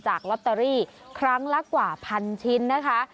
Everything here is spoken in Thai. ลอตเตอรี่ครั้งละกว่าพันชิ้นนะคะ